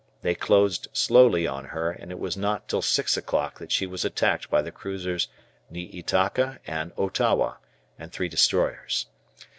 They closed slowly on her, and it was not till six o'clock that she was attacked by the cruisers "Niitaka" and "Otowa," and three destroyers.